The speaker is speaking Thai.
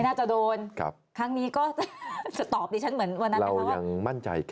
น่าจะโดนครั้งนี้ก็จะตอบดิฉันเหมือนวันนั้นเลยค่ะ